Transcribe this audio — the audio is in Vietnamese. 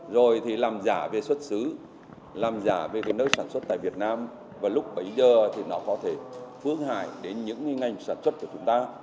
rồi thì làm giả về xuất xứ làm giả về cái nơi sản xuất tại việt nam và lúc bấy giờ thì nó có thể phương hại đến những ngành sản xuất của chúng ta